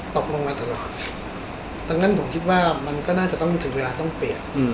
ตกลงมาตลอดดังนั้นผมคิดว่ามันก็น่าจะต้องถึงเวลาต้องเปลี่ยน